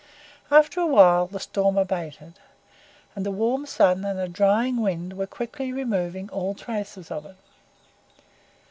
After a while the storm abated, and the warm sun and a drying wind were quickly removing all traces of it.